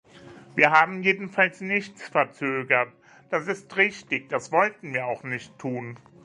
Wir haben jedenfalls nichts verzögert, das ist richtig, das wollten wir auch nicht tun.